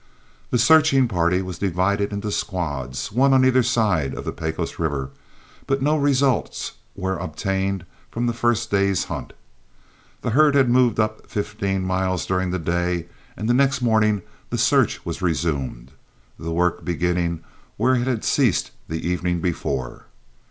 The searching party was divided into squads, one on either side of the Pecos River, but no results were obtained from the first day's hunt. The herd had moved up fifteen miles during the day, and the next morning the search was resumed, the work beginning where it had ceased the evening before.